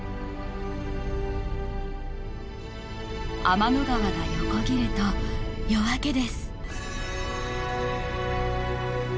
天の川が横切ると夜明けです。